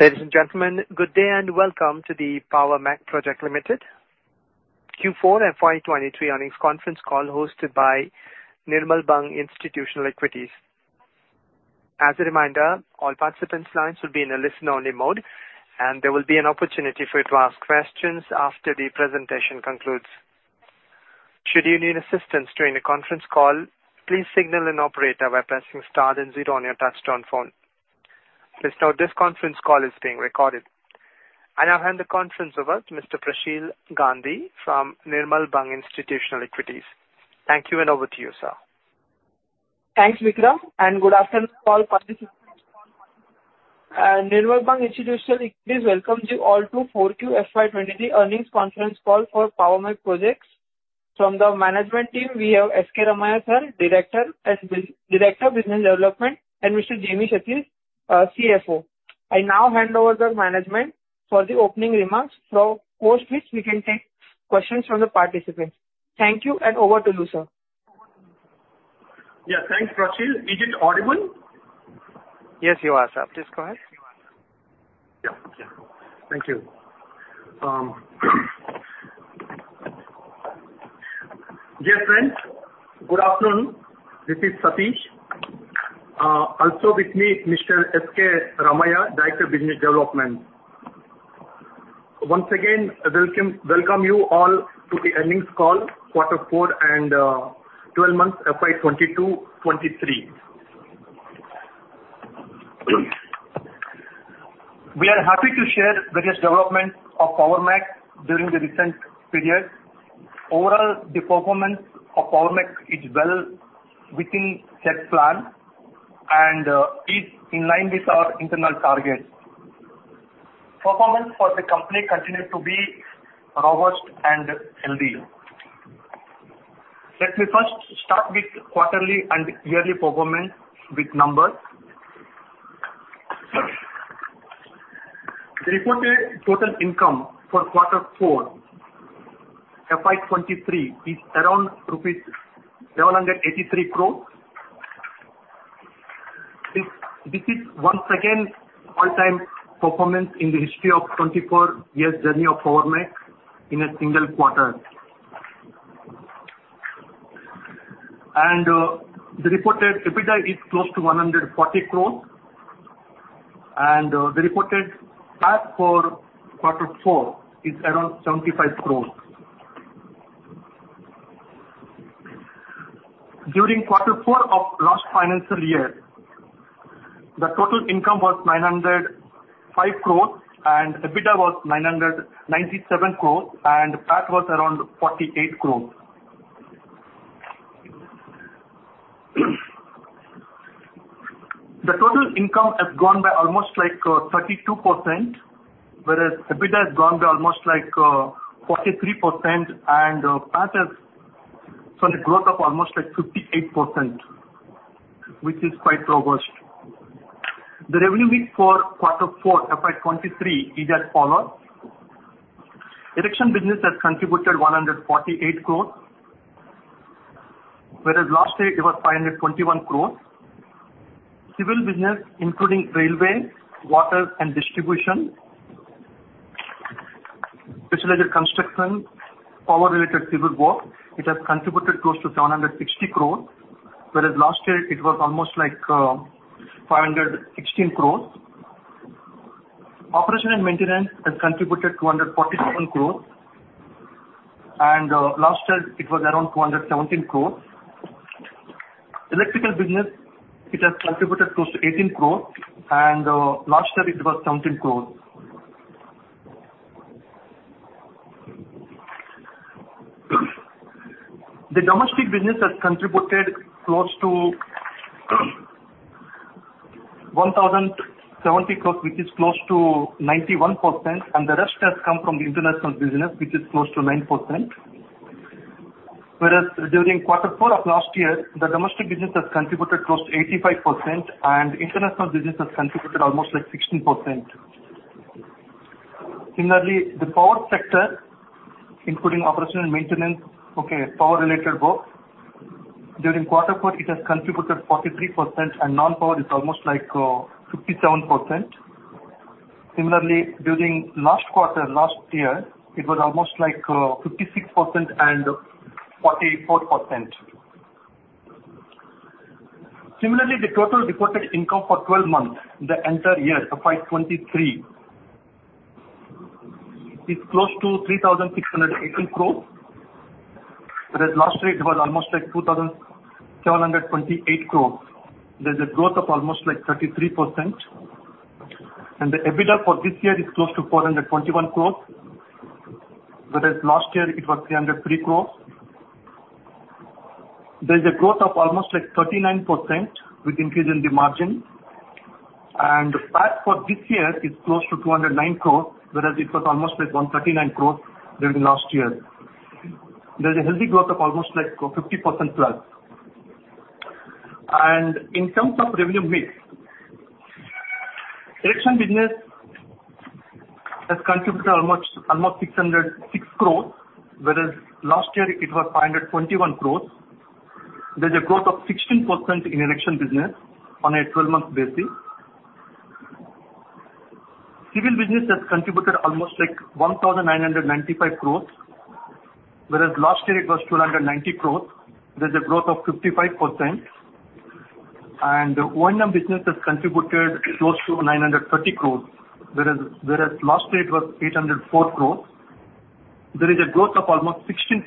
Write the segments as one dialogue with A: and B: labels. A: Ladies and gentlemen, good day, and welcome to the Power Mech Projects Limited Q4 FY 2023 earnings conference call hosted by Nirmal Bang Institutional Equities. As a reminder, all participants' lines will be in a listen-only mode, and there will be an opportunity for you to ask questions after the presentation concludes. Should you need assistance during the conference call, please signal an operator by pressing star and zero on your touchtone phone. Please note this conference call is being recorded. I now hand the conference over to Mr. Prasheel Gandhi from Nirmal Bang Institutional Equities. Thank you, and over to you, sir.
B: Thanks, Vikram, and good afternoon, all participants. Nirmal Bang Institutional Equities welcome you all to Q4 FY 2023 earnings conference call for Power Mech Projects. From the management team, we have S. K. Ramaiah, Director and Director Business Development, and Mr. Jami Satish, CFO. I now hand over the management for the opening remarks. Of course, we can take questions from the participants. Thank you, and over to you, sir.
C: Yeah. Thanks, Prasheel. Is it audible?
A: Yes, you are, sir. Please go ahead.
C: Yeah. Yeah. Thank you, dear friends, good afternoon. This is Satish. Also with me, Mr. S. K. Ramaiah, Director of Business Development. Once again, welcome, welcome you all to the earnings call, quarter four and twelve months FY 2022-23. We are happy to share the latest development of Power Mech during the recent period. Overall, the performance of Power Mech is well within set plan and is in line with our internal targets. Performance for the company continues to be robust and healthy. Let me first start with quarterly and yearly performance with numbers. The reported total income for quarter four, FY 2023, is around INR 783 crore. This, this is once again all-time performance in the history of 24 years journey of Power Mech in a single quarter. The reported EBITDA is close to 140 crore, and the reported PAT for quarter four is around 75 crore. During quarter four of last financial year, the total income was 905 crore, and EBITDA was 997 crore, and PAT was around 48 crore. The total income has gone by almost like 32%, whereas EBITDA has gone by almost like 43%, and PAT has saw the growth of almost like 58%, which is quite robust. The revenue for quarter four, FY 2023, is as follows: erection business has contributed 148 crore, whereas last year it was 521 crore. Civil business, including railway, water, and distribution, specialized construction, power-related civil work, it has contributed close to 760 crore, whereas last year it was almost like 516 crore. Operation and maintenance has contributed 247 crore, and last year it was around 217 crore. Electrical business, it has contributed close to 18 crore, and last year it was INR 17 crore. The domestic business has contributed close to 1,070 crore, which is close to 91%, and the rest has come from the international business, which is close to 9%. Whereas during quarter four of last year, the domestic business has contributed close to 85%, and international business has contributed almost like 16%. Similarly, the power sector, including operation and maintenance, power-related work, during quarter four, it has contributed 43% and non-power is almost like 57%. Similarly, during last quarter, last year, it was almost like 56% and 44%. Similarly, the total reported income for twelve months, the entire year, FY 2023, is close to 3,618 crore, whereas last year it was almost like 2,728 crore. There's a growth of almost like 33%, and the EBITDA for this year is close to 421 crore, whereas last year it was 303 crore. There's a growth of almost like 39% with increase in the margin, and PAT for this year is close to 209 crore, whereas it was almost like 139 crore during last year. There's a healthy growth of almost like, you know, 50% plus. In terms of revenue mix, erection business has contributed almost, almost 606 crore, whereas last year it was 521 crore. There's a growth of 16% in erection business on a twelve-month basis. Civil business has contributed almost like 1,995 crore, whereas last year it was 290 crore. There's a growth of 55%. O&M business has contributed close to 930 crore, whereas last year it was 804 crore. There is a growth of almost 16%.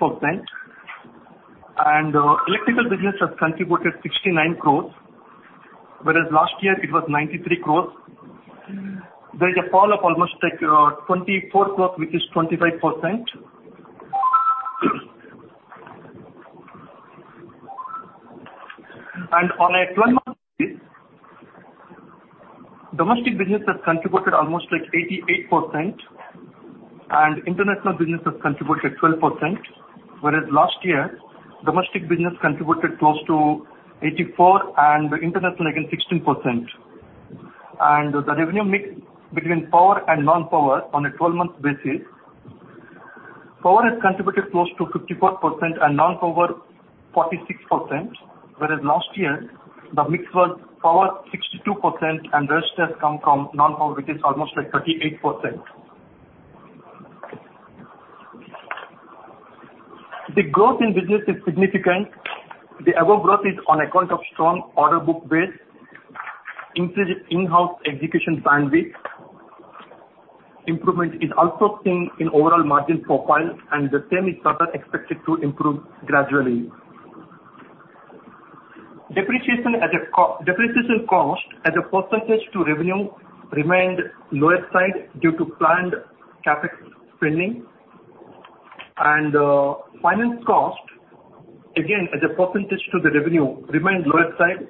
C: Electrical business has contributed 69 crore, whereas last year it was 93 crore. There is a fall of almost like 24 crore, which is 25%. On a twelve-month basis, domestic business has contributed almost like 88% and international business has contributed 12%, whereas last year, domestic business contributed close to 84%, and international, again, 16%. The revenue mix between power and non-power on a twelve-month basis, power has contributed close to 54% and non-power, 46%, whereas last year the mix was power, 62%, and rest has come from non-power, which is almost like 38%. The growth in business is significant. The above growth is on account of strong order book base, increased in-house execution bandwidth. Improvement is also seen in overall margin profile, and the same is further expected to improve gradually. Depreciation cost as a percentage to revenue remained lower side due to planned CapEx spending. Finance cost, again, as a percentage to the revenue, remained lower side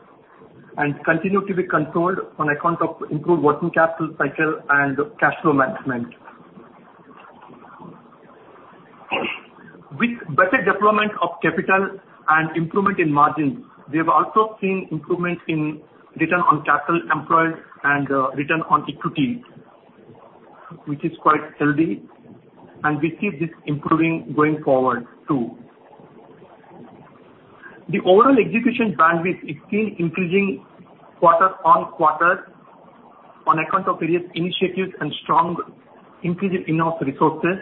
C: and continued to be controlled on account of improved working capital cycle and cash flow management. With better deployment of capital and improvement in margins, we have also seen improvement in return on capital employed and return on equity, which is quite healthy, and we see this improving going forward, too. The overall execution bandwidth is still increasing quarter-on-quarter on account of various initiatives and strong increase in in-house resources.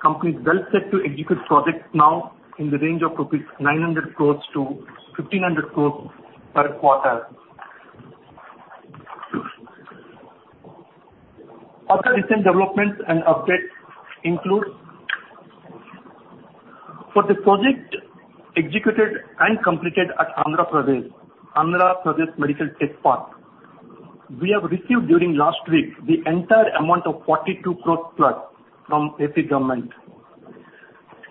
C: Company is well set to execute projects now in the range of 900 crore-1,500 crore rupees per quarter. Other recent developments and updates include, for the project executed and completed at Andhra Pradesh, Andhra Pradesh Medical Tech Park, we have received during last week the entire amount of 42 crore plus from AP government.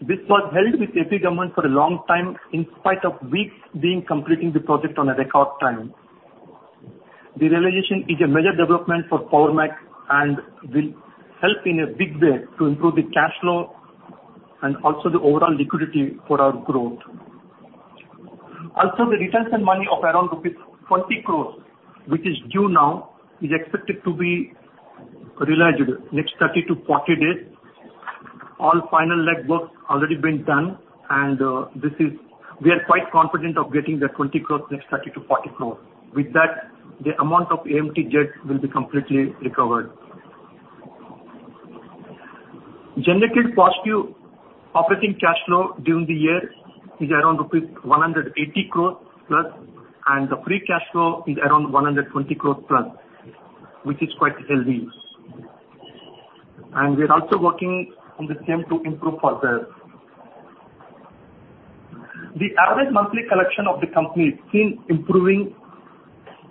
C: This was held with AP government for a long time, in spite of we've been completing the project on a record time. The realization is a major development for Power Mech and will help in a big way to improve the cash flow and also the overall liquidity for our growth. Also, the retention money of around rupees 20 crore, which is due now, is expected to be realized next 30-40 days. All final leg work already been done and, this is -- we are quite confident of getting the 20 crore next 30-40 days. With that, the amount of AMT jets will be completely recovered. Generated positive operating cash flow during the year is around rupees 180 crore plus, and the free cash flow is around 120 crore plus, which is quite healthy. We are also working on the same to improve further. The average monthly collection of the company is still improving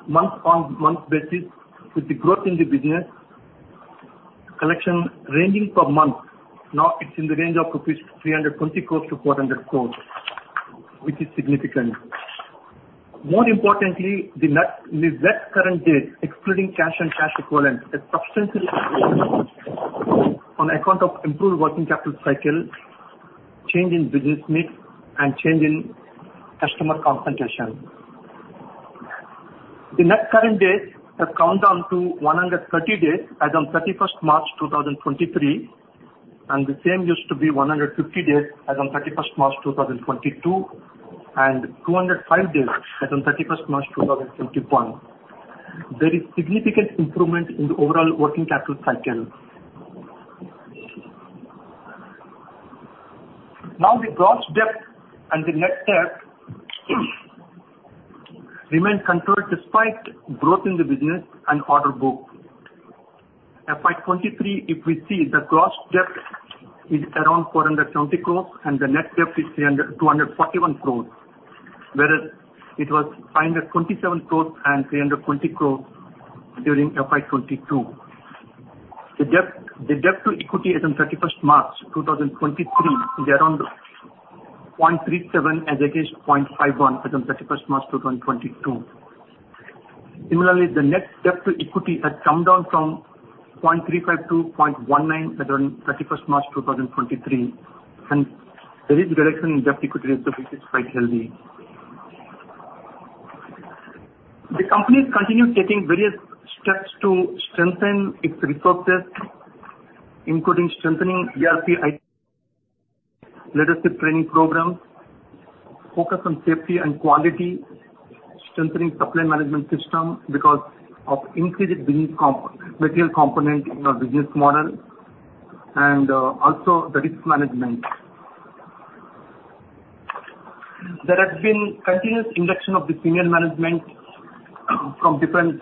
C: month-on-month basis with the growth in the business. Collection ranging per month, now it's in the range of 320 crores-400 crores rupees, which is significant. More importantly, the net, the net current date, excluding cash and cash equivalent, is substantially on account of improved working capital cycle, change in business mix, and change in customer concentration. The net current date has come down to 130 days as on 31 March 2023, and the same used to be 150 days as on 31 March 2022, and 205 days as on 31 March 2021. There is significant improvement in the overall working capital cycle. Now, the gross debt and the net debt remain controlled despite growth in the business and order book. FY 2023, if we see, the gross debt is around 470 crore, and the net debt is two hundred and forty-one crores, whereas it was 527 crore and 320 crore during FY 2022. The debt, the debt to equity as on March 31, 2023 is around 0.37, as against 0.51 as on March 31, 2022. Similarly, the net debt to equity has come down from 0.35 to 0.19 as on March 31, 2023, and there is reduction in debt equity, which is quite healthy. The company has continued taking various steps to strengthen its resources, including strengthening ERP, IT, leadership training programs, focus on safety and quality, strengthening supply management system because of increased business comp, material component in our business model, and also the risk management. There has been continuous induction of the senior management from different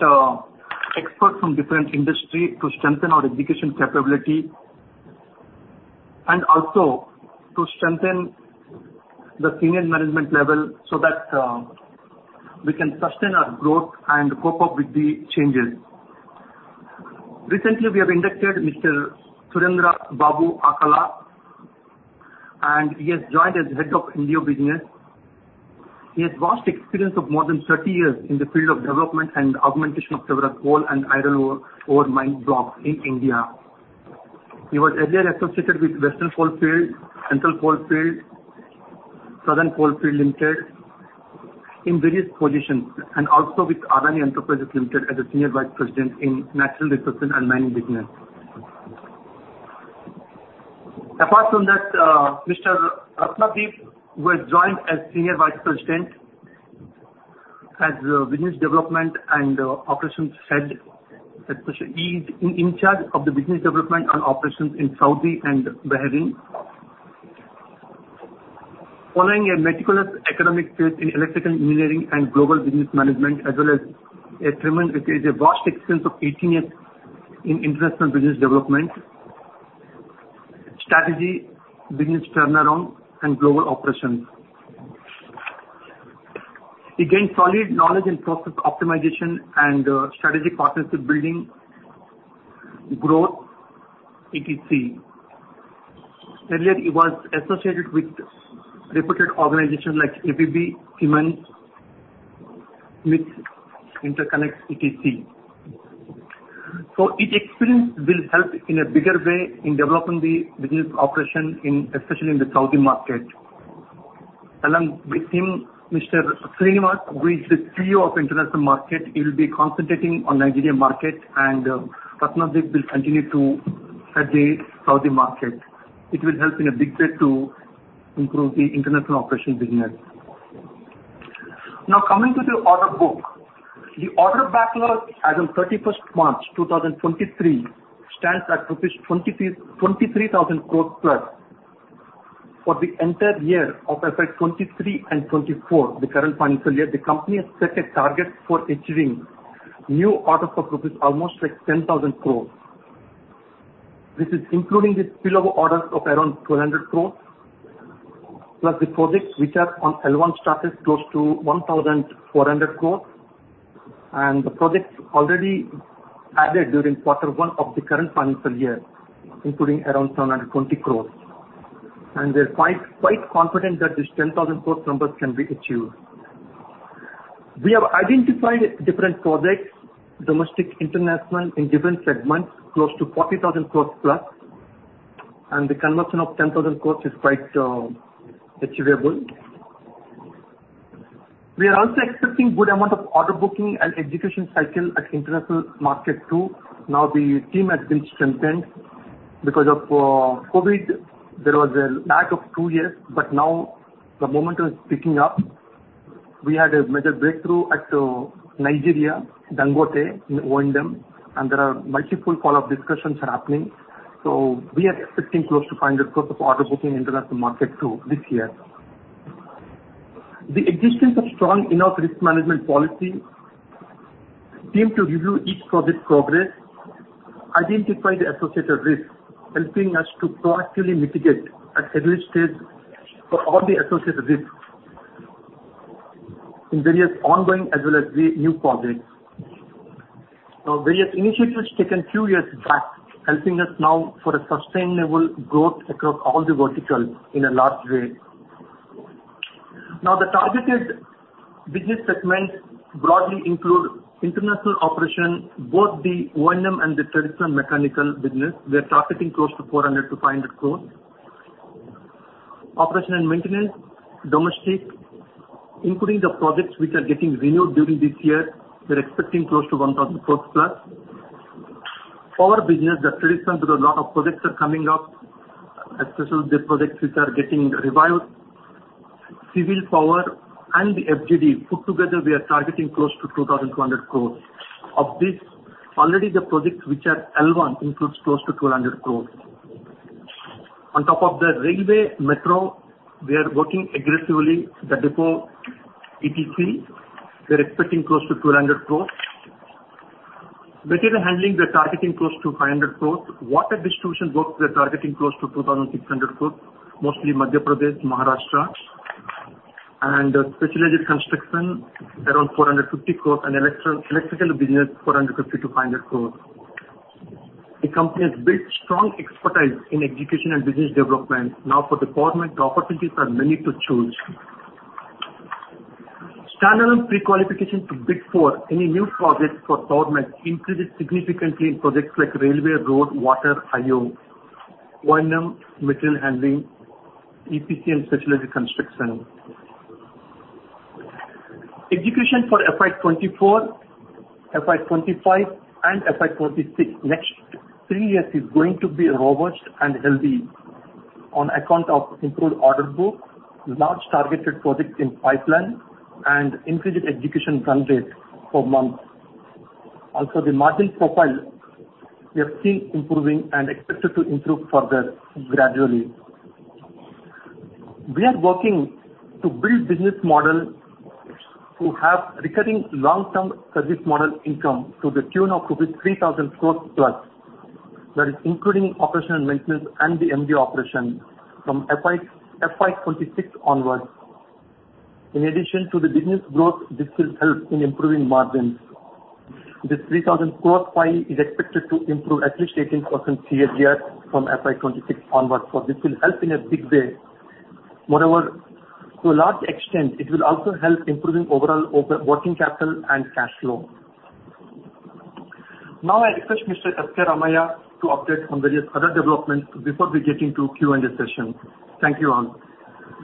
C: experts from different industry to strengthen our execution capability and also to strengthen the senior management level so that we can sustain our growth and cope up with the changes. Recently, we have inducted Mr. Surendra Babu Akkala, and he has joined as Head of India Business. He has vast experience of more than 30 years in the field of development and augmentation of several coal and iron ore, ore mine blocks in India. He was earlier associated with Western Coalfields Limited, Central Coalfields Limited, Southern Coalfields Limited, in various positions, and also with Adani Enterprises Limited as a Senior Vice President in Natural Resources and Mining Business. Apart from that, Mr. Ratnadeep was joined as Senior Vice President as Business Development and Operations Head. Especially, he's in charge of the business development and operations in Saudi Arabia and Bahrain. Following a meticulous academic career in electrical engineering and global business management, as well as a tremendous, has a vast experience of 18 years in international business development, strategy, business turnaround, and global operations. He gained solid knowledge in process optimization and strategic partnership building, growth, etc. Earlier, he was associated with reputed organizations like ABB, Siemens, etc. So his experience will help in a bigger way in developing the business operation in, especially in the Saudi Arabia market. Along with him, Mr. Srinivas, who is the CEO of International Market, will be concentrating on the Nigerian market, and Ratnadeep will continue to serve the Saudi market. It will help in a big way to improve the international operations business. Now, coming to the order book. The order backlog as on 31 March 2023 stands at rupees 23,000+ crore. For the entire year of FY 2023 and 2024, the current financial year, the company has set a target for achieving new orders of 10,000 crore. This is including the spillover orders of around 200 crore, plus the projects which are on L1 status, close to 1,400 crore, and the projects already added during quarter one of the current financial year, including around 720 crore. And we're quite, quite confident that this 10,000 crore numbers can be achieved. We have identified different projects, domestic, international, in different segments, close to 40,000 crore plus, and the conversion of 10,000 crore is quite achievable. We are also expecting good amount of order booking and execution cycle at international market too. Now, the team has been strengthened. Because of COVID, there was a lack of two years, but now the momentum is picking up. We had a major breakthrough at Nigeria, Dangote, in O&M, and there are multiple follow-up discussions are happening, so we are expecting close to INR 500 crore of order booking in international market too this year. The existence of strong enough risk management policy, team to review each project progress, identify the associated risks, helping us to proactively mitigate at every stage for all the associated risks in various ongoing as well as the new projects. Now, various initiatives taken two years back, helping us now for a sustainable growth across all the verticals in a large way. Now, the targeted business segments broadly include international operation, both the O&M and the traditional mechanical business. We are targeting close to 400-500 crores. Operation and maintenance, domestic, including the projects which are getting renewed during this year, we're expecting close to 1,000 crores plus. Power business, the traditional, because a lot of projects are coming up, especially the projects which are getting revived. Civil, power, and the FGD, put together, we are targeting close to 2,200 crores. Of this, already the projects which are L1 includes close to 200 crore. On top of that, railway, metro, we are working aggressively, the depot, etc. We're expecting close to 200 crore. Material handling, we're targeting close to 500 crore. Water distribution works, we are targeting close to 2,600 crore, mostly Madhya Pradesh, Maharashtra. And specialized construction, around 450 crore, and electro-electrical business, 450-500 crore. The company has built strong expertise in execution and business development. Now for the government, the opportunities are many to choose. Stand-alone prequalification to bid for any new projects for government increased significantly in projects like railway, road, water, Iron Ore.... material handling, EPCM specialized construction. Execution for FY 2024, FY 2025, and FY 2026, next three years is going to be robust and healthy on account of improved order book, large targeted projects in pipeline, and increased execution run rate per month. Also, the margin profile, we have seen improving and expected to improve further gradually. We are working to build business model to have recurring long-term service model income to the tune of rupees 3,000 crore+. That is including operation and maintenance and the MDO operation from FY, FY 2026 onwards. In addition to the business growth, this will help in improving margins. This 3,000 crore pie is expected to improve at least 18% CAGR from FY 2026 onwards, so this will help in a big way. Moreover, to a large extent, it will also help improving overall over working capital and cash flow. Now, I request Mr. K. Ramaiah to update on various other developments before we get into Q&A session. Thank you all.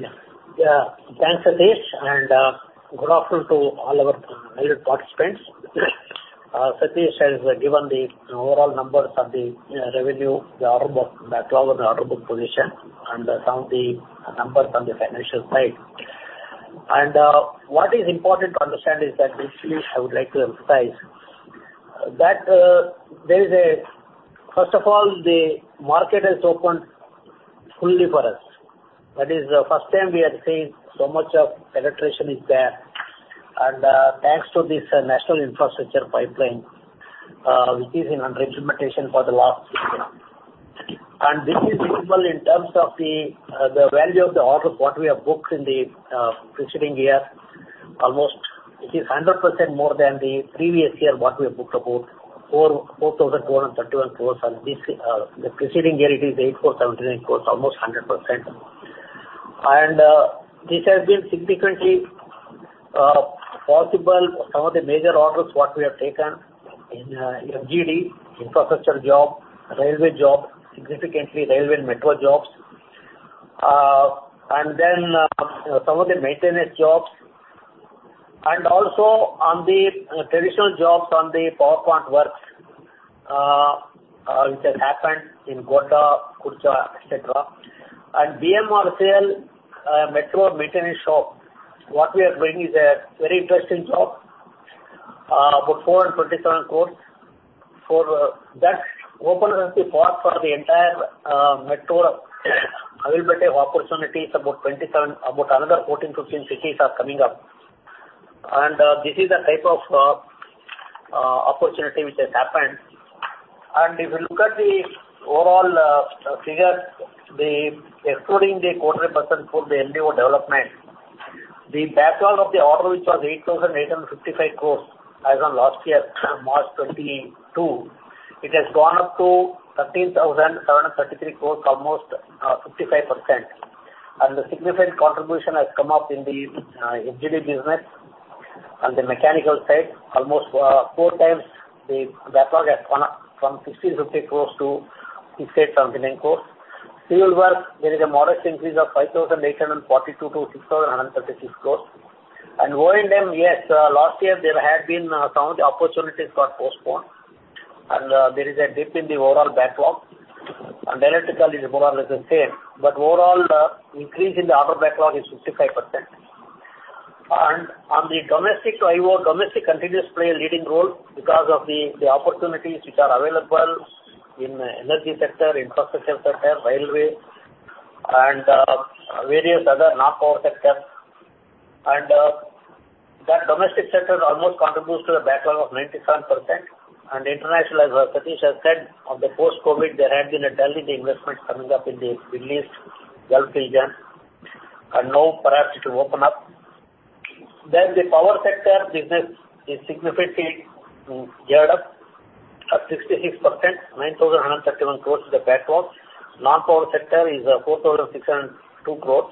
D: Yeah. Thanks, Satish, and good afternoon to all our valued participants. Satish has given the overall numbers of the revenue, the order book, the backlog and the order book position, and some of the numbers on the financial side. And what is important to understand is that basically I would like to emphasize that there is a—First of all, the market has opened fully for us. That is the first time we are seeing so much of penetration is there, and thanks to this national infrastructure pipeline, which is in under implementation for the last six years. And this is visible in terms of the value of the orders, what we have booked in the preceding year. Almost it is 100% more than the previous year, what we have booked about 4,431 crore. This, the preceding year, it is 8,479 crore, almost 100%. This has been significantly possible for some of the major orders what we have taken in SGD, infrastructure job, railway job, significantly railway and metro jobs, then some of the maintenance jobs, and also on the traditional jobs on the power plant works, which has happened in Godda, Kudgi, et cetera. BMRCL metro maintenance job, what we are doing is a very interesting job, about 427 crore for that, opens up the path for the entire metro availability of opportunities, about 27, about another 14, 15 cities are coming up. This is the type of opportunity which has happened. If you look at the overall figures, excluding the quarter percent for the MDO development, the backlog of the order, which was 8,855 crore as on last year, March 2022, it has gone up to 13,733 crore, almost 55%. And the significant contribution has come up in the FGD business and the mechanical side, almost four times the backlog has gone up from 1,650 crore to 67 crore. Field work, there is a modest increase of 5,842 crore to 6,136 crore. O&M, yes, last year there had been some of the opportunities got postponed, and there is a dip in the overall backlog, and the electrical is more or less the same, but overall increase in the order backlog is 55%. On the domestic to IO, domestic continues to play a leading role because of the opportunities which are available in energy sector, infrastructure sector, railway and various other non-power sector. That domestic sector almost contributes to a backlog of 97%. International, as Satish has said, on the post-COVID, there had been a delay in the investment coming up in the Middle East Gulf region, and now perhaps it will open up. Then the power sector business is significantly geared up at 66%, 9,131 crores is the backlog. Non-power sector is 4,602 crore.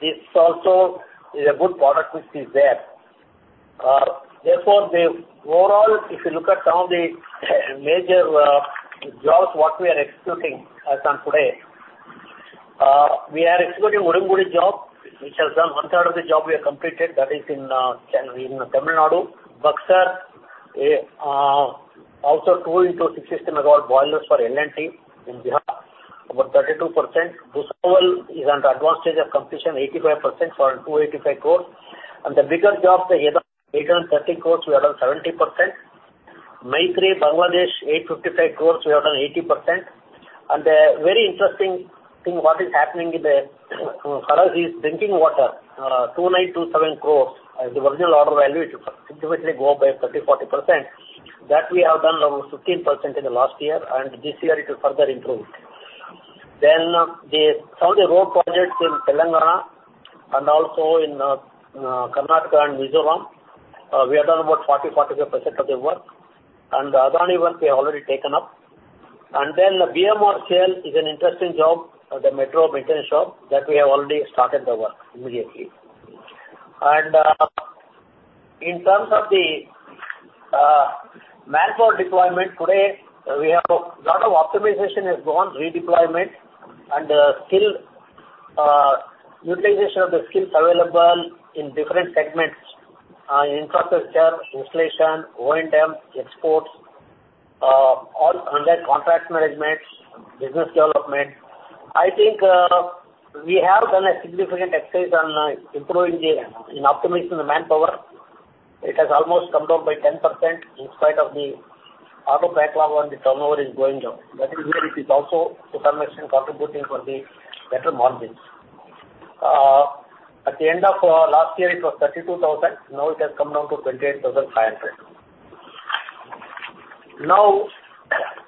D: This also is a good product which is there. Therefore, overall, if you look at some of the major jobs, what we are executing as on today, we are executing Udangudi job, which has done one third of the job we have completed. That is in Tamil Nadu. Buxar, also 2 into 6 system about boilers for L&T in Bihar, about 32%. Bhusawal is under advanced stage of completion, 85% for 285 crore. The bigger jobs, the 830 crore, we have done 70%. Maitree, Bangladesh, 855 crore, we have done 80%. A very interesting thing, what is happening in the is drinking water, 2,927 crore. The original order value, it will significantly go up by 30-40%. That we have done around 15% in the last year, and this year it will further improve. Some of the road projects in Telangana and also in Karnataka and Mizoram, we have done about 40-45% of the work. The Adani work, we have already taken up. The BMRCL is an interesting job, the metro maintenance job, that we have already started the work immediately. In terms of the manpower deployment, today, we have a lot of optimization has gone, redeployment and skill, utilization of the skills available in different segments, infrastructure, installation, O&M, exports, all under contract management, business development. I think we have done a significant exercise on improving the, in optimizing the manpower. It has almost come down by 10% in spite of the order backlog on the turnover is going down. That is where it is also to some extent contributing for the better margins. At the end of last year, it was 32,000, now it has come down to 28,500. Now,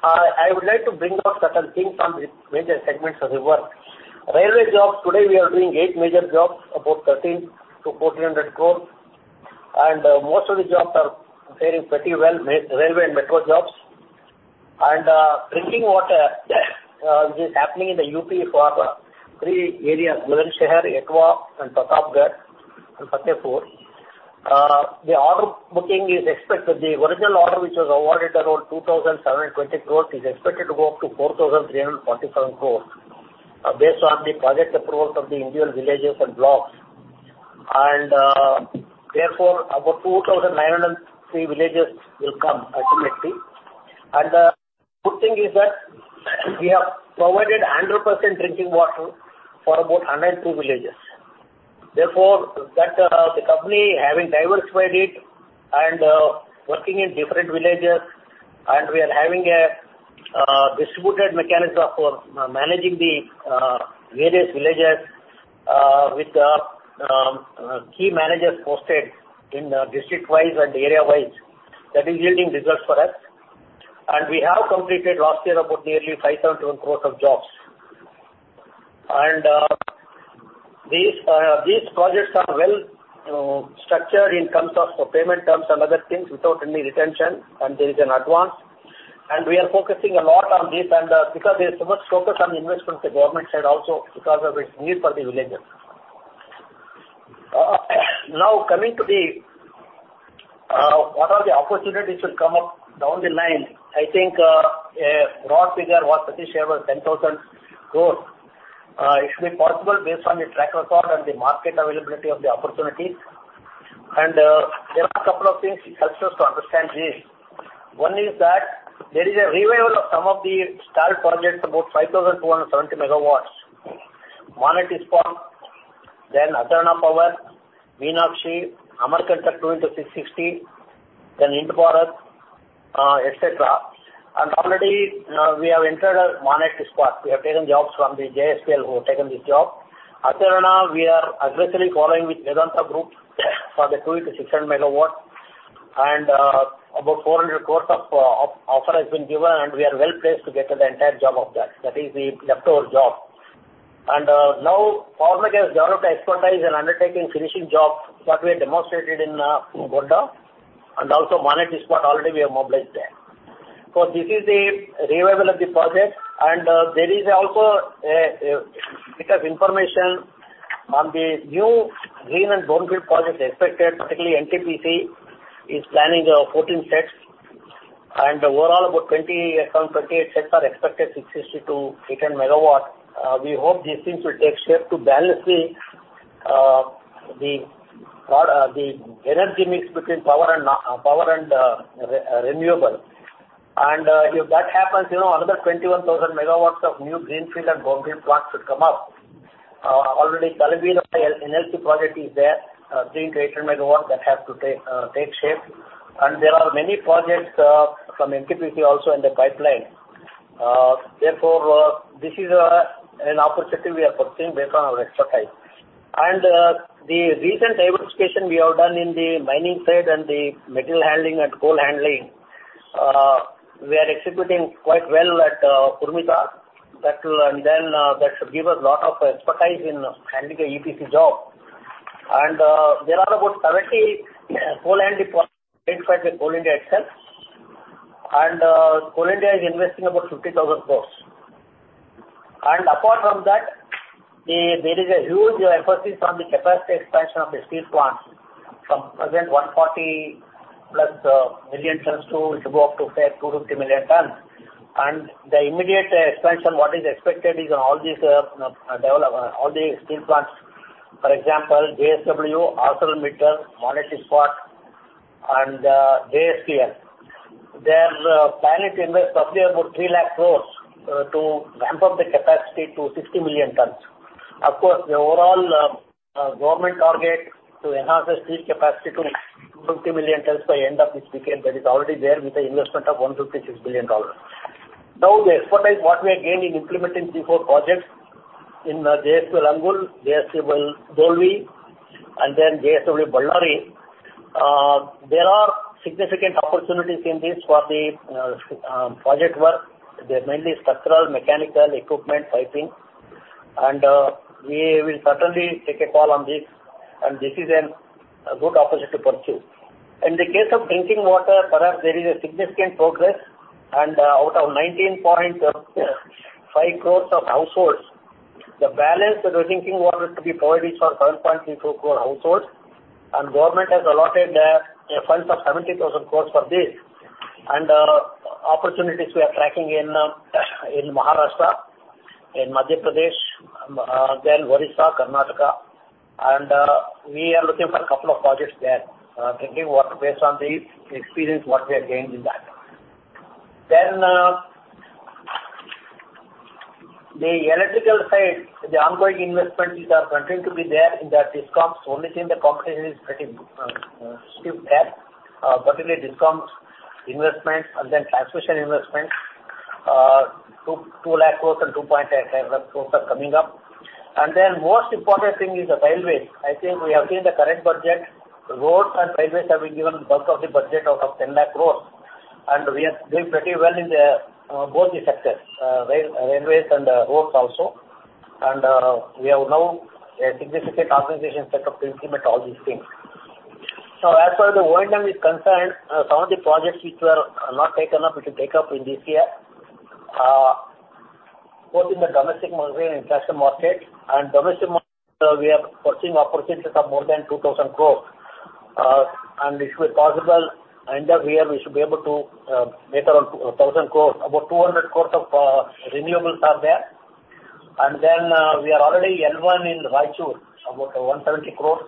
D: I would like to bring out certain things on the major segments of our work. Railway jobs, today, we are doing eight major jobs, about 1,300-1,400 crore, and most of the jobs are fairing pretty well, railway and metro jobs. Drinking water is happening in the UP for three areas, Bulandshahr, Etawah, and Pratapgarh, and Fatehpur. The order booking is expected, the original order, which was awarded around 2,720 crore, is expected to go up to 4,347 crore, based on the project approvals of the individual villages and blocks. Therefore, about 2,903 villages will come ultimately. And the good thing is that we have provided 100% drinking water for about 102 villages. Therefore, that, the company having diversified it and, working in different villages, and we are having a, distributed mechanism for managing the, various villages, with the, key managers posted in district wise and area wise, that is yielding results for us. And we have completed last year about nearly 5,000 crore of jobs. These projects are well structured in terms of payment terms and other things without any retention, and there is an advance. We are focusing a lot on this because there is so much focus on investment, the government side also, because of its need for the villages. Now coming to what are the opportunities will come up down the line? I think a broad figure what Satish share was 10,000 crore. It should be possible based on the track record and the market availability of the opportunities. There are a couple of things helps us to understand this. One is that there is a revival of some of the stalled projects, about 5,270 megawatts, Monnet Ispat, then Atharana Power, Meenakshi, Amarkantak 2 into 660, then Ind Power, et cetera. Already, we have entered our Monnet Ispat. We have taken jobs from the JSPL, who have taken this job. Atharana, we are aggressively following with Vedanta Group for the 2 into 600 megawatt, and about 400 crore of offer has been given, and we are well placed to get the entire job of that. That is the leftover job. Now, Power Mech has developed expertise in undertaking finishing jobs, what we have demonstrated in Gonda, and also Monnet Ispat, already we have mobilized there. This is the revival of the project, and there is also a bit of information on the new green and brownfield projects expected, particularly NTPC is planning 14 sets, and overall, about 28 sets are expected, 650-810 megawatt. We hope these things will take shape to balance the power, the energy mix between power and renewable. If that happens, you know, another 21,000 megawatts of new greenfield and brownfield plants should come up. Already Talabira NLCIL project is there, 3 into 8 megawatt that has to take shape. There are many projects from NTPC also in the pipeline. Therefore, this is an opportunity we are pursuing based on our expertise. The recent diversification we have done in the mining side and the material handling and coal handling, we are executing quite well at Kurmitar. That will, and then, that should give us a lot of expertise in handling a EPC job. There are about 70 coal handling projects by Coal India itself, and Coal India is investing about 50,000 crore. Apart from that, there is a huge emphasis on the capacity expansion of the steel plants, from present 140 plus million tons to go up to, say, 250 million tons. The immediate expansion, what is expected is on all these, develop, all the steel plants. For example, JSW, ArcelorMittal, Monnet Ispat, and JSPL. Their planned invest probably about 300,000 crore to ramp up the capacity to 60 million tons. Of course, the overall government target to enhance the steel capacity to 250 million tons by end of this decade, that is already there with an investment of $156 billion. Now, the expertise, what we are gaining implementing these four projects in JSW Raigarh, JSW Dolvi, and then JSW Ballari, there are significant opportunities in this for the project work. They're mainly structural, mechanical, equipment, piping, and we will certainly take a call on this, and this is an, a good opportunity to pursue. In the case of drinking water, perhaps there is significant progress, and out of 19.5 crore households, the balance that we're thinking was to be provided for 7.24 crore households, and government has allotted them funds of 70,000 crore for this. Opportunities we are tracking in Maharashtra, in Madhya Pradesh, then Orissa, Karnataka, and we are looking for a couple of projects there, thinking what based on the experience, what we have gained in that. Then, the electrical side, the ongoing investments which are continuing to be there in the DISCOMs, only thing the competition is pretty steep there. Particularly DISCOM investment and then transmission investment, 200,000 crore and 285,000 crore are coming up. And then most important thing is the railway. I think we have seen the current budget, roads and railways have been given bulk of the budget out of 10 lakh crore, and we are doing pretty well in both the sectors, rail, railways and roads also. We have now a significant organization set up to implement all these things. As far as the O&M is concerned, some of the projects which were not taken up, which will take up in this year, both in the domestic market and international market. In domestic market, we are pursuing opportunities of more than 2,000 crore, and if it possible, end of year, we should be able to make around 2,000 crore. About 200 crore of renewables are there. We are already L1 in Raichur, about 170 crore.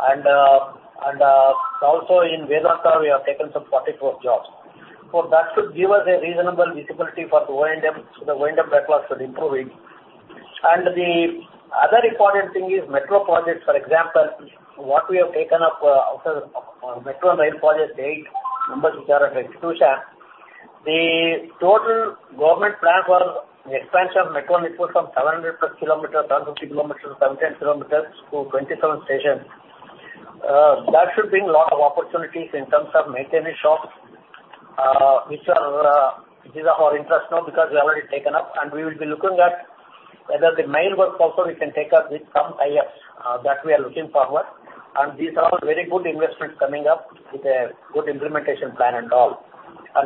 D: Also, in Vedanta, we have taken some 44 jobs. That should give us a reasonable visibility for the O&M. The O&M backlog should be improving. The other important thing is metro projects, for example, what we have taken up, after metro rail projects, eight numbers which are under execution. The total government plan for the expansion of metro network from 700 plus kilometers, 750 kilometers to 710 kilometers to 27 stations. That should bring a lot of opportunities in terms of maintenance shops, which are, these are our interest now because we have already taken up, and we will be looking at whether the mail work also we can take up with some IFs, that we are looking forward. These are all very good investments coming up with a good implementation plan and all.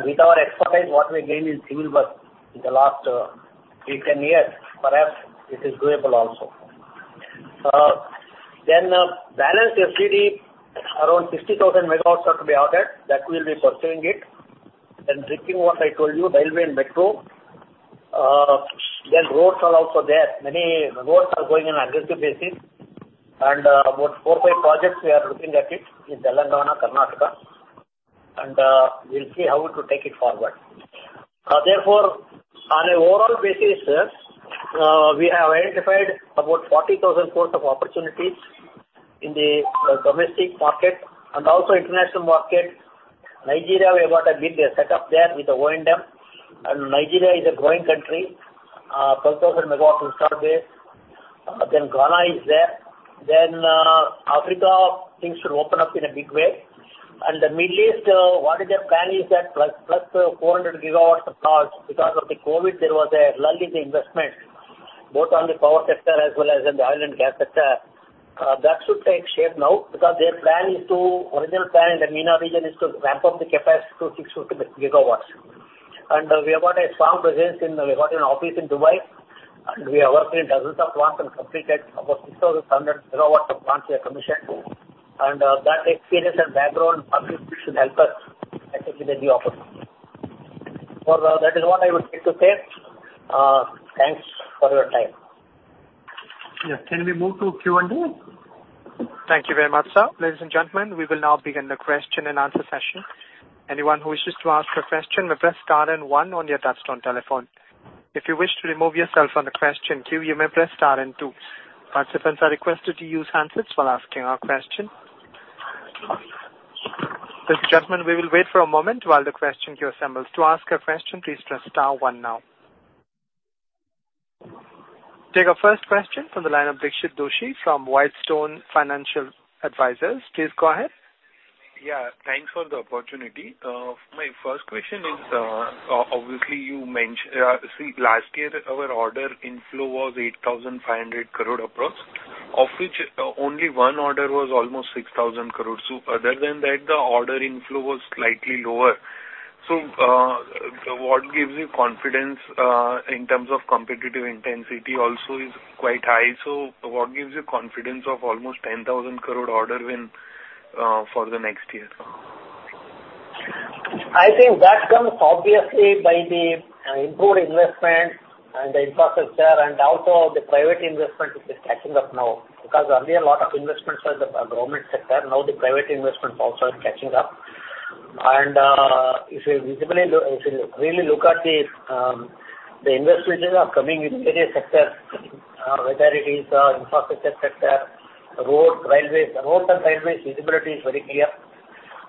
D: With our expertise, what we gained in civil work in the last, decade years, perhaps it is doable also. Then, balance FGD, around 60,000 megawatts are to be outed. That we'll be pursuing it. Then drinking water, I told you, railway and metro. Then roads are also there. Many roads are going on aggressive basis, and, about 4-5 projects we are looking at it in Telangana, Karnataka, and, we'll see how to take it forward. Therefore, on an overall basis, we have identified about 40,000 crore of opportunities in the domestic market and also international market. Nigeria, we have got a big set up there with the O&M, and Nigeria is a growing country, 12,000 megawatts will start there. Then Ghana is there. Then, Africa, things should open up in a big way. The Middle East, what is their plan is that plus, plus, 400 gigawatts of power. Because of the COVID, there was a lull in the investment, both on the power sector as well as in the oil and gas sector. That should take shape now because their plan is to... Original plan in the MENA region is to ramp up the capacity to 650 gigawatts. And, we have got a strong presence in the-- we've got an office in Dubai, and we are working in dozens of plants and completed about 6,100 gigawatts of plants we have commissioned. And, that experience and background, probably, should help us execute the new opportunities. Well, that is what I would like to say. Thanks for your time.
C: Yeah. Can we move to Q&A?
A: Thank you very much, sir. Ladies and gentlemen, we will now begin the question and answer session. Anyone who wishes to ask a question, may press star and one on your touchtone telephone. If you wish to remove yourself from the question queue, you may press star and two. Participants are requested to use handsets while asking a question. Ladies and gentlemen, we will wait for a moment while the question queue assembles. To ask a question, please press star one now. Take our first question from the line of Dikshit Doshi from White Stone Financial Advisors. Please go ahead.
E: Yeah, thanks for the opportunity. My first question is, obviously, you mentioned, last year, our order inflow was 8,500 crore approx, of which, only one order was almost 6,000 crore. So other than that, the order inflow was slightly lower. So, what gives you confidence, in terms of competitive intensity also is quite high. So what gives you confidence of almost 10,000 crore order win, for the next year?
D: I think that comes obviously by the, improved investment and the infrastructure, and also the private investment which is catching up now. Because earlier, a lot of investments were the, government sector. Now the private investment also is catching up. And, if you visibly look... If you really look at the, the investments which are coming in various sectors, whether it is, infrastructure sector, road, railways. The road and railways visibility is very clear.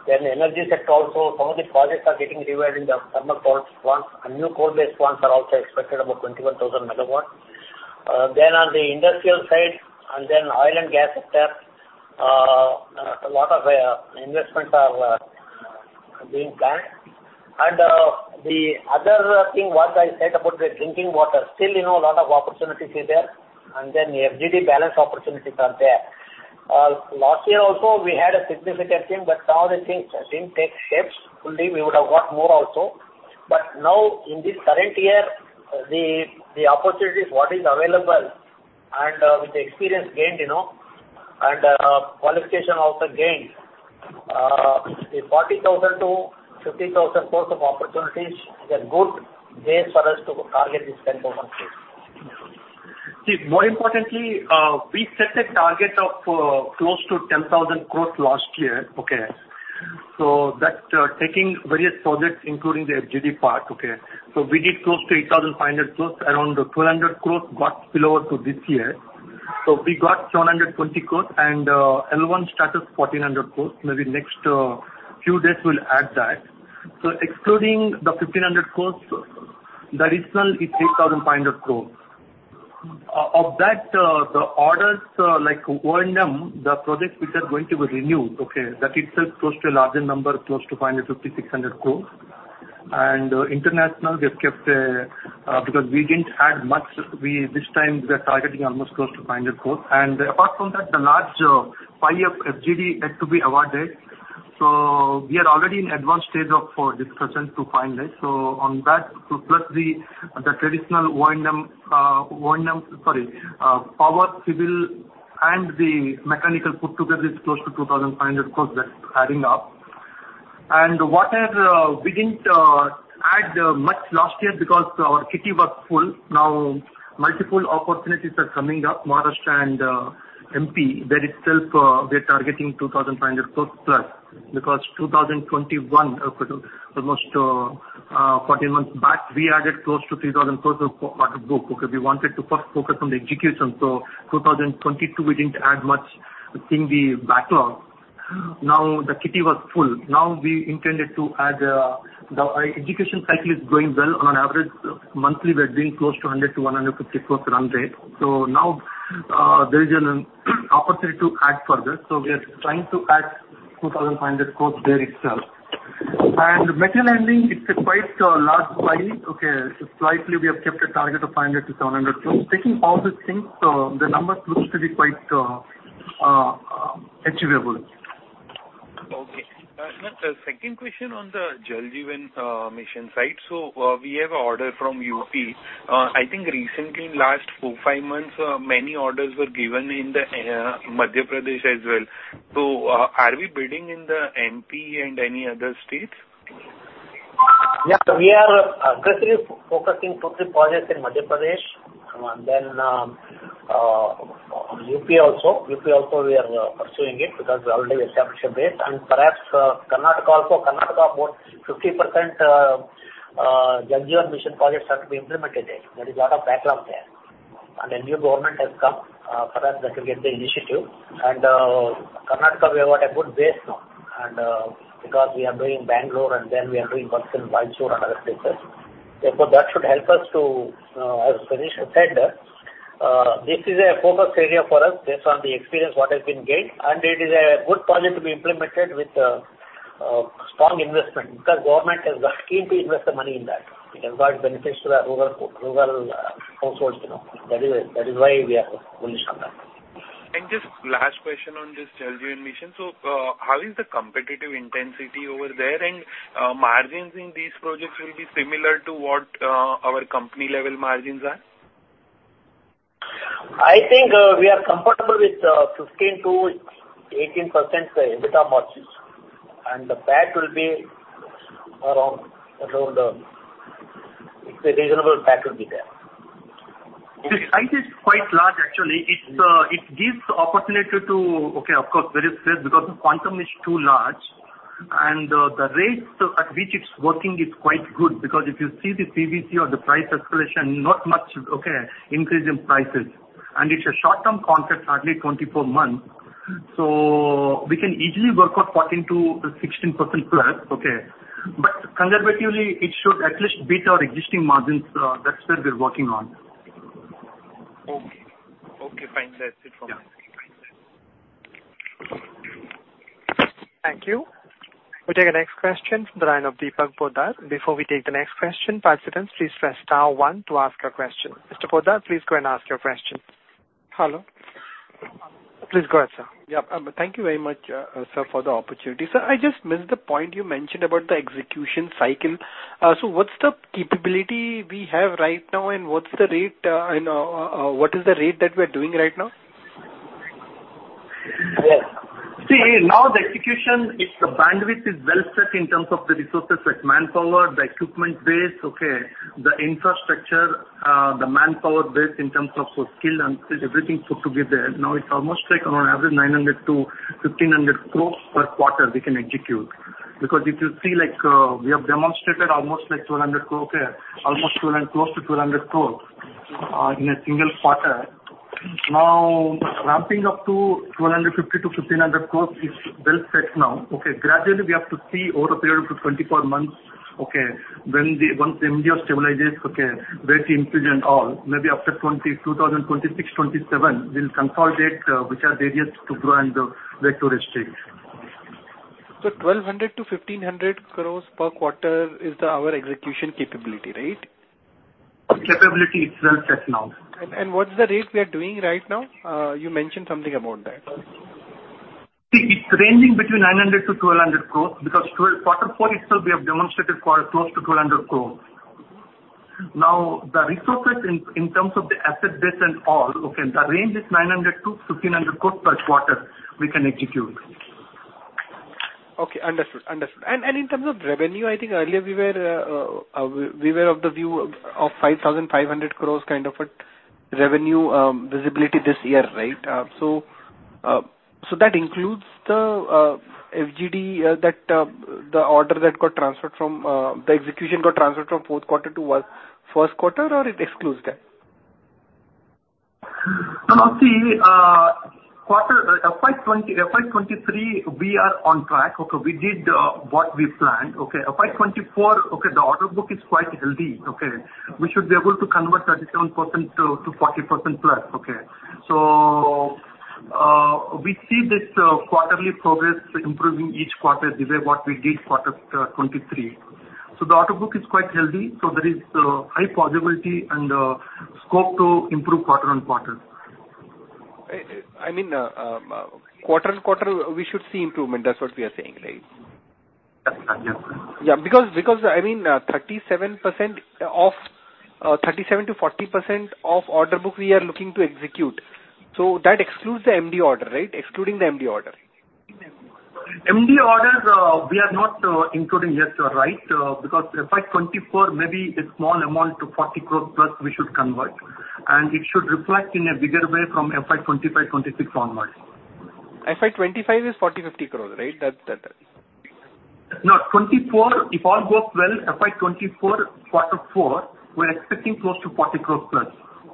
D: Then energy sector also, some of the projects are getting revived in the thermal plants, and new coal-based plants are also expected, about 21,000 megawatts. Then on the industrial side, and then oil and gas sector, a lot of, investments are, being planned. The other thing, what I said about the drinking water, still, you know, a lot of opportunities are there, and then FGD balance opportunities are there. Last year also, we had a significant team, but some of the things didn't take shapes. Fully, we would have got more also. But now, in this current year, the opportunities, what is available, and, with the experience gained, you know, and, qualification also gained, the 40,000 crores-50,000 crores of opportunities is a good base for us to target this INR 10,000 crores.
C: See, more importantly, we set a target of close to 10,000 crore last year, okay? So that, taking various projects, including the FGD part, okay, so we did close to 8,500 crore. Around 1,200 crore got spillover to this year. So we got 720 crore, and L1 status, 1,400 crore. Maybe next few days, we'll add that. So excluding the 1,500 crore, the original is 8,500 crore. Of that, the orders, like O&M, the projects which are going to be renewed, okay, that itself close to a larger number, close to 550-600 crore. And international, we have kept, because we didn't add much. This time, we are targeting almost close to 500 crore. Apart from that, the large pie of FGD has to be awarded. We are already in advanced stage of, for discussions to finalize. On that, plus the traditional O&M, O&M, sorry, power, civil, and the mechanical put together is close to 2,500 crore, that's adding up. Whatever, we didn't add much last year because our kitty was full. Now, multiple opportunities are coming up, Maharashtra and MP. That itself, we are targeting 2,500 crore plus, because 2021, almost fourteen months back, we added close to 3,000 crore of order book, okay? We wanted to first focus on the execution. 2022, we didn't add much in the backlog. Now, the kitty was full. Now we intended to add, the execution cycle is going well. On an average, monthly, we're doing close to 100-150 crore run rate. So now, there is an opportunity to add further. So we are trying to add 2,500 crore there itself. And metal handling, it's quite a large pie, okay? Slightly, we have kept a target of 500-700 crore. Taking all these things, so the numbers looks to be quite achievable.
E: Okay. The second question on the Jal Jeevan Mission side. We have an order from UP. I think recently, in the last four or five months, many orders were given in Madhya Pradesh as well. Are we bidding in MP and any other states?
D: Yeah, we are aggressively focusing 2-3 projects in Madhya Pradesh, then, UP also. UP also, we are pursuing it because we already established a base. And perhaps, Karnataka also. Karnataka, about 50%, Jal Jeevan Mission projects are to be implemented there. There is a lot of backlog there. And a new government has come, perhaps that will get the initiative. And, Karnataka, we have got a good base now, and, because we are doing Bangalore, and then we are doing work in Mysuru and other places. Therefore, that should help us to, as Ganesh said, this is a focus area for us based on the experience what has been gained, and it is a good project to be implemented with, strong investment, because government is keen to invest the money in that. It has got benefits to the rural, rural, households, you know. That is, that is why we are bullish on that.
E: Just last question on this Jal Jeevan Mission. How is the competitive intensity over there? And, margins in these projects will be similar to what, our company level margins are?
D: I think we are comfortable with 15%-18% EBITDA margins, and the PAT will be around... It's a reasonable PAT will be there.
C: The size is quite large, actually. It's, it gives the opportunity to... Okay, of course, very safe, because the quantum is too large, and the rate at which it's working is quite good, because if you see the PVC or the price escalation, not much, okay, increase in prices. And it's a short-term contract, hardly 24 months, so we can easily work out 14%-16% plus, okay? But conservatively, it should at least beat our existing margins. That's where we're working on.
E: Okay. Okay, fine. That's it from my end.
C: Yeah.
A: Thank you. We'll take the next question from the line of Deepak Poddar. Before we take the next question, participants, please press star one to ask your question. Mr. Poddar, please go and ask your question.
F: Hello.
A: Please go ahead, sir.
F: Yeah, thank you very much, sir, for the opportunity. Sir, I just missed the point you mentioned about the execution cycle. So what's the capability we have right now, and what's the rate that we're doing right now?
D: Yes.
C: See, now the execution, its bandwidth is well set in terms of the resources like manpower, the equipment base, okay, the infrastructure, the manpower base in terms of skill and everything put together. Now, it's almost like on average, 900-1,500 crores per quarter we can execute. Because if you see, like, we have demonstrated almost like 1,200 crores, almost 1,200 and close to 1,200 crores, in a single quarter. Now, ramping up to 1,250-1,500 crores is well set now, okay? Gradually, we have to see over a period of up to 24 months, okay, when the once India stabilizes, okay, rate increase and all, maybe after 2020, 2026, 2027, we'll consolidate, which are various to grow and rate to restrict....
F: So 1,200 crore-1,500 crore per quarter is our execution capability, right?
C: Capability is well set now.
F: What's the rate we are doing right now? You mentioned something about that.
C: See, it's ranging between 900 crore-1,200 crore, because quarter four itself, we have demonstrated quite close to 1,200 crore. Now, the resources in terms of the asset base and all, okay, the range is 900 crore-1,500 crore per quarter, we can execute.
F: Okay, understood. Understood. And in terms of revenue, I think earlier we were of the view of 5,500 crore kind of a revenue visibility this year, right? So that includes the FGD that the order that got transferred from the execution got transferred from Q4 to Q1, or it excludes that?
C: No, no. See, quarter FY 2020, FY 2023, we are on track. Okay, we did what we planned. Okay? FY 2024, the order book is quite healthy, okay? We should be able to convert 37% to 40%+, okay. We see this quarterly progress improving each quarter the way what we did quarter 2023. The order book is quite healthy, so there is high possibility and scope to improve quarter on quarter.
F: I mean, quarter-on-quarter, we should see improvement. That's what we are saying, right?
C: Yes.
F: Yeah, because, I mean, 37% of 37%-40% of order book we are looking to execute. So that excludes the MDO order, right? Excluding the MDO order.
C: MDO orders, we are not including, yes, you are right, because FY 2024, maybe a small amount to 40 crores plus, we should convert, and it should reflect in a bigger way from FY 2025, 2026 onwards.
F: FY 25 is 40 crore-50 crore, right? That, that-
C: No, 24, if all goes well, FY 2024, quarter four, we're expecting close to 40 crore plus.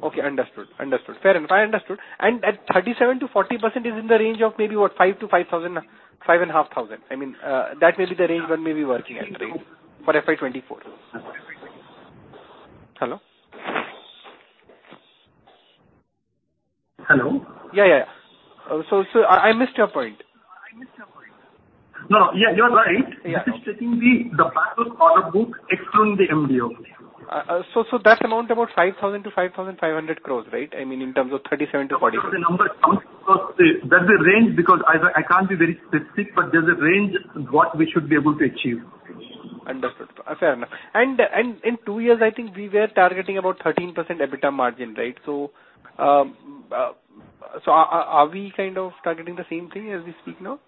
F: Okay, understood. Understood. Fair enough. I understood. And at 37%-40% is in the range of maybe, what, 5 to 5,000, 5,500. I mean, that may be the range one may be working at, right?
C: Mm-hmm.
F: For FY 2024. Hello?
C: Hello.
F: Yeah, yeah. So I missed your point.
C: No, yeah, you're right.
F: Yeah.
C: This is the backlog, order book, excluding the MDO.
F: So that amount about 5,000 crore-5,500 crore, right? I mean, in terms of 37-40.
C: The number, there's a range, because I can't be very specific, but there's a range what we should be able to achieve.
F: Understood. Fair enough. And in two years, I think we were targeting about 13% EBITDA margin, right? So, are we kind of targeting the same thing as we speak now?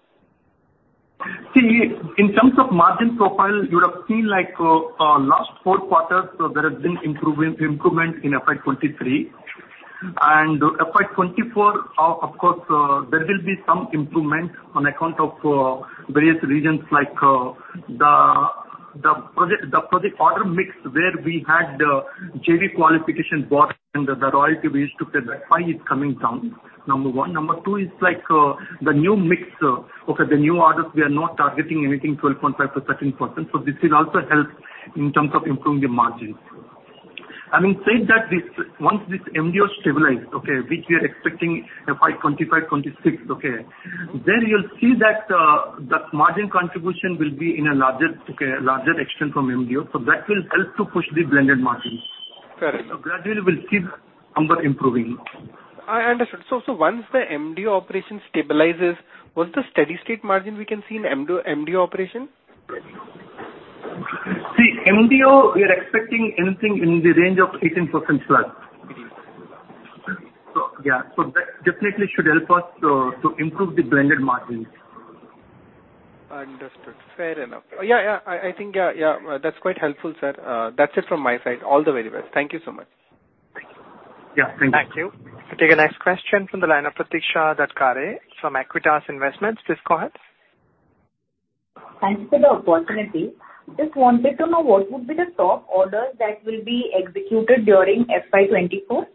C: See, in terms of margin profile, you would have seen, like, last four quarters, so there has been improving, improvement in FY 2023. And FY 2024, of course, there will be some improvement on account of various reasons, like, the, the project, the project order mix, where we had the JV qualification brought and the royalty we used to pay, that's why it's coming down, number one. Number two is like, the new mix, okay, the new orders, we are not targeting anything 12.5%, 13%, so this will also help in terms of improving the margins. I mean, saying that this, once this MDO stabilized, okay, which we are expecting FY 2025, 2026, okay, then you'll see that, that margin contribution will be in a larger, okay, larger extent from MDO. So that will help to push the blended margins.
F: Correct.
C: Gradually we'll see the number improving.
F: I understood. So, so once the MDO operation stabilizes, what's the steady state margin we can see in MDO, MDO operation?
C: See, MDO, we are expecting anything in the range of 18%+. So yeah, so that definitely should help us to improve the blended margins.
F: Understood. Fair enough. Yeah, yeah, I, I think, yeah, yeah, that's quite helpful, sir. That's it from my side. All the very best. Thank you so much.
C: Thank you. Yeah, thank you.
A: Thank you. We take the next question from the line of Pratiksha Daftari from Aequitas Investments. Please go ahead.
G: Thanks for the opportunity. Just wanted to know what would be the top orders that will be executed during FY 2024?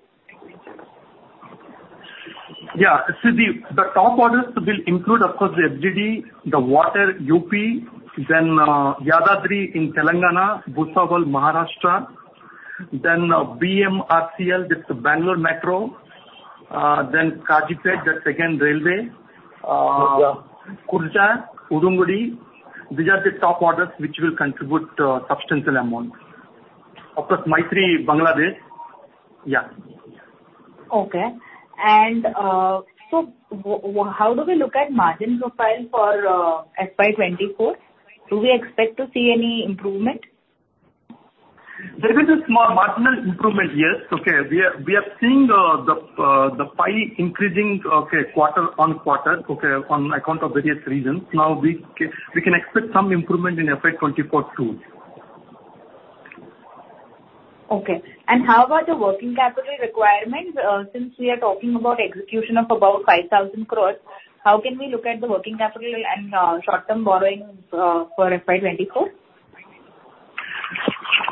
C: Yeah. See, the top orders will include, of course, the FGD, the Water UP, then Yadadri in Telangana, Bhusawal, Maharashtra, then BMRCL, this is the Bangalore Metro, then Kazipet, the second railway, Khurja, Udumudi. These are the top orders which will contribute substantial amount. Of course, Maitri, Bangladesh. Yeah.
G: Okay. So how do we look at margin profile for FY 2024? Do we expect to see any improvement?
C: There is a small marginal improvement, yes. Okay, we are seeing the Pi increasing, okay, quarter-on-quarter, okay, on account of various reasons. Now, we can expect some improvement in FY 2024 too.
G: Okay. How about the working capital requirements? Since we are talking about execution of about 5,000 crore, how can we look at the working capital and short-term borrowings for FY 2024?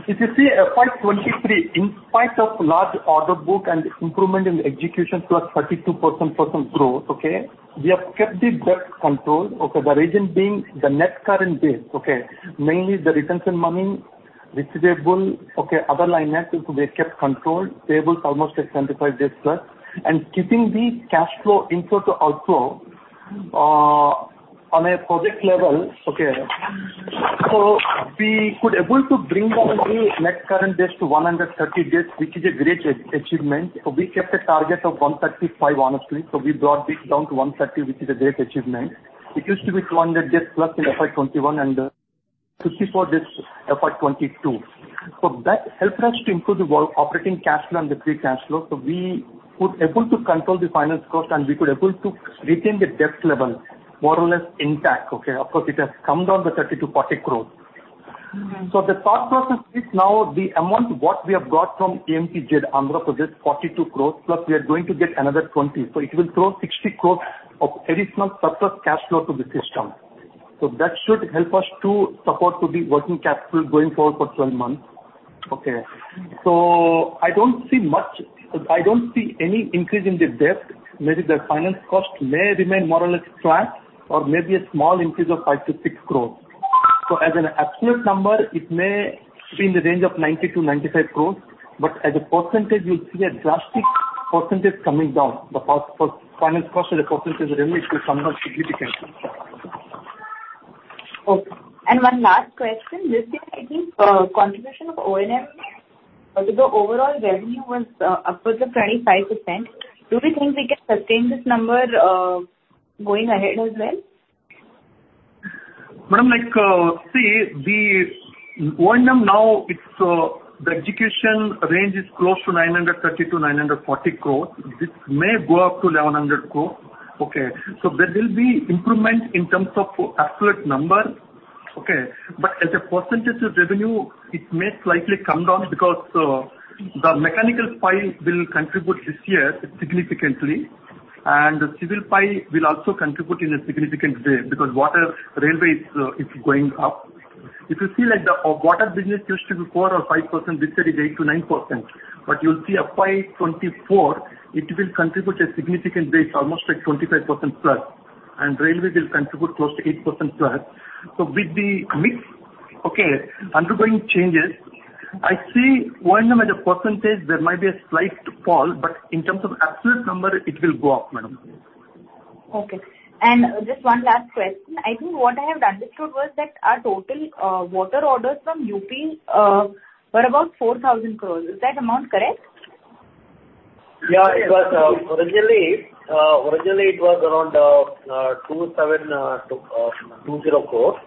C: If you see, FY 2023, in spite of large order book and improvement in execution +32% growth, okay, we have kept the debt control, okay? The reason being the net current debt, okay, mainly the retention money which is able, okay, other line items, so they kept controlled, payables almost like 75 days+, and keeping the cash flow inflow to outflow on a project level, okay. So we could able to bring down the net current debt to 130 days, which is a great achievement. So we kept a target of 135, honestly. So we brought this down to 130, which is a great achievement. It used to be 200 days+ in FY 2021 and 54 days, FY 2022. So that helped us to improve the operating cash flow and the free cash flow. We could able to control the finance cost, and we could able to retain the debt level more or less intact, okay? Of course, it has come down to 32 party growth. The thought process is now the amount what we have got from AMTZ Andhra Project, 42 crore, plus we are going to get another 20 crore. It will throw 60 crore of additional surplus cash flow to the system. That should help us to support to the working capital going forward for 12 months, okay. I don't see much... I don't see any increase in the debt. Maybe the finance cost may remain more or less flat, or maybe a small increase of 5-6 crore. As an absolute number, it may be in the range of 90-95 crore, but as a percentage, you'll see a drastic percentage coming down. The first finance cost as a percentage revenue is coming down significantly.
G: Okay. And one last question: this year, I think, contribution of O&M to the overall revenue was upwards of 25%. Do we think we can sustain this number going ahead as well?
C: Madam, like, see, the O&M now, it's, the execution range is close to 930-940 crore. This may go up to 1,100 crore, okay? So there will be improvement in terms of absolute number, okay, but as a percentage of revenue, it may slightly come down because, the mechanical pile will contribute this year significantly, and the civil pile will also contribute in a significant way because water, railway is going up. If you see like the, water business used to be 4%-5%, this year is 8%-9%. But you'll see FY 2024, it will contribute a significant base, almost like 25%+, and railway will contribute close to 8%+. So with the mix, okay, undergoing changes, I see O&M as a percentage, there might be a slight fall, but in terms of absolute number, it will go up, madam.
G: Okay. Just one last question. I think what I have understood was that our total water orders from UP were about 4,000 crore. Is that amount correct?
C: Yeah, it was originally around 2,720 crore.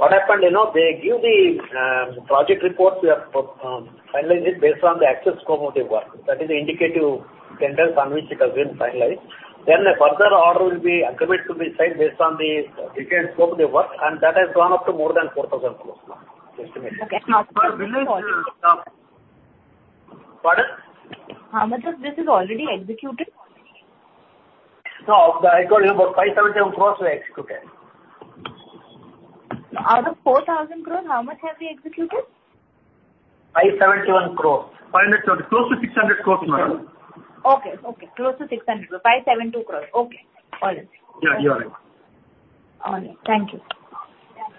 C: What happened, you know, they give the project report, we have finalized it based on the actual scope of the work. That is the indicative tenders on which it has been finalized. Then a further order will be agreed to be signed based on the detailed scope of the work, and that has gone up to more than 4,000 crore now, estimated.
G: Okay.
A: Pardon?
G: How much of this is already executed?
C: No, I told you, about 571 crore we executed.
G: Out of 4,000 crore, how much have we executed?
C: 571 crore. Close to 600 crore, Madam.
G: Okay, okay. Close to 600 crore. 572 crore. Okay, got it.
C: Yeah, you are right.
G: All right. Thank you.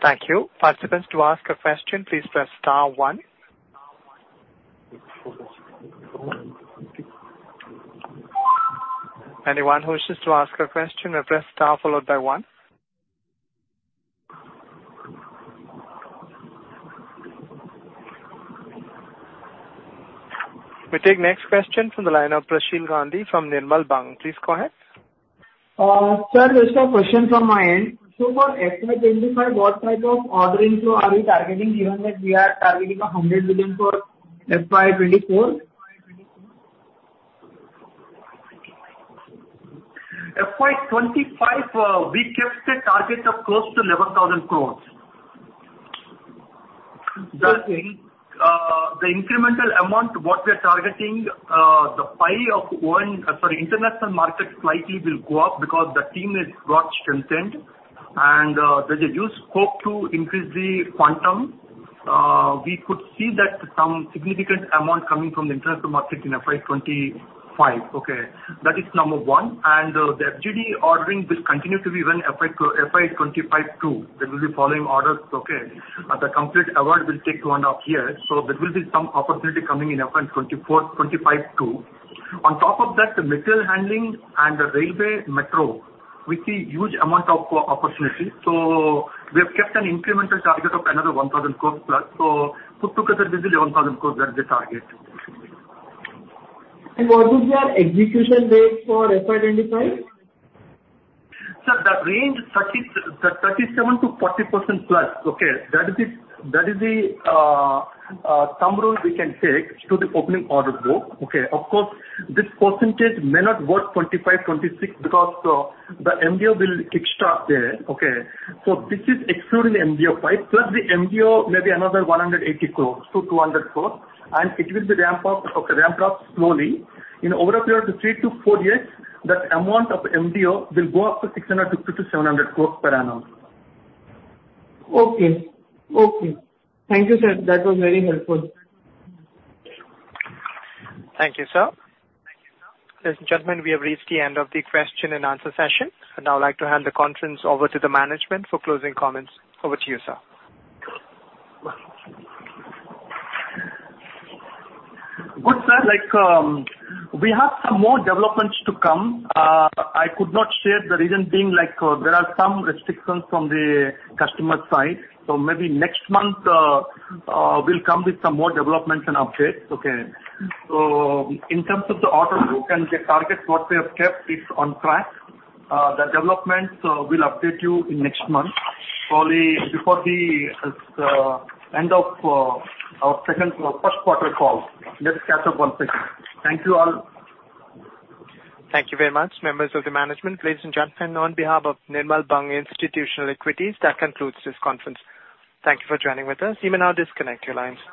A: Thank you. Participants, to ask a question, please press star one. Anyone who wishes to ask a question, press star followed by one. We take next question from the line of Prasheel Gandhi from Nirmal Bang. Please go ahead.
B: Sir, just a question from my end. So for FY 2025, what type of ordering so are we targeting, given that we are targeting 100 billion for FY 2024?
C: FY 25, we kept a target of close to 11,000 crore.
B: Okay.
C: The incremental amount, what we are targeting, the pie of O&M, sorry, international market slightly will go up because the team has got strength, and there's a huge scope to increase the quantum. We could see that some significant amount coming from the international market in FY 2025, okay? That is number one. The FGD ordering will continue to be in FY 2025, too. There will be following orders, okay? The complete award will take one and a half years, so there will be some opportunity coming in FY 2024-2025, too. On top of that, the material handling and the railway metro, we see huge amount of opportunity. We have kept an incremental target of another 1,000 crore plus. Put together, this is 11,000 crore, that's the target.
B: What is your execution date for FY 25?
C: Sir, the range 30, the 37%-40%+, okay? That is the, that is the, thumb rule we can take to the opening order book, okay? Of course, this percentage may not work 2025, 2026, because, the MBO will kickstart there, okay? So this is excluding the MDO pie, plus the MBO, maybe another 180 crore-200 crore, and it will be ramp up, okay, ramped up slowly. In over a period of 3-4 years, that amount of MBO will go up to 600 crore-700 crore per annum.
B: Okay. Okay. Thank you, sir. That was very helpful.
A: Thank you, sir. Ladies and gentlemen, we have reached the end of the question and answer session. I'd now like to hand the conference over to the management for closing comments. Over to you, sir.
C: Good, sir. Like, we have some more developments to come. I could not share, the reason being, like, there are some restrictions from the customer side. So maybe next month, we'll come with some more developments and updates, okay? So in terms of the order book and the target, what we have kept is on track. The developments, we'll update you in next month. Probably before the end of our second Q1 call, let's catch up one second. Thank you all.
A: Thank you very much, members of the management. Ladies and gentlemen, on behalf of Nirmal Bang Institutional Equities, that concludes this conference. Thank you for joining with us. You may now disconnect your lines.